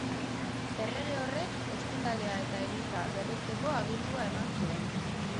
Errege horrek ospitalea eta eliza berritzeko agindua eman zuen.